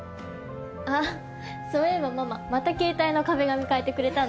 あっそういえばママまた携帯の壁紙替えてくれたんだね。